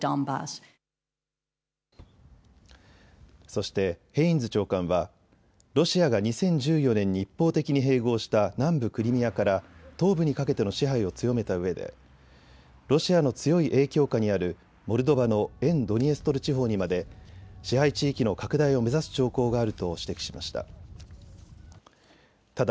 そしてヘインズ長官はロシアが２０１４年に一方的に併合した南部クリミアから東部にかけての支配を強めたうえでロシアの強い影響下にあるモルドバの沿ドニエストル地方にまで支配地域の拡大を目指す兆候があると指摘しました。